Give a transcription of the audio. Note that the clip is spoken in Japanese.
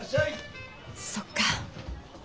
そっか。